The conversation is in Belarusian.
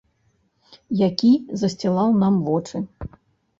Які засцілаў нам вочы.